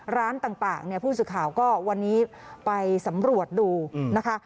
ร้านต่างเนี่ยผู้สื่อข่าวก็วันนี้ไปสำรวจดูนะคะ